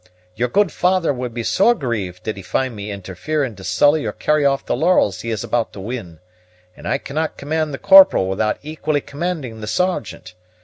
Your good father would be sore grieved did he find me interfering to sully or carry off the laurels he is about to win; and I cannot command the Corporal without equally commanding the Sergeant.